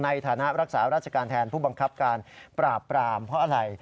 ในฐานะรักษาราชการแทนผู้บังคับการปราบปรามเพราะอะไร